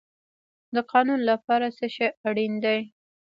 د قانون لپاره څه شی اړین دی؟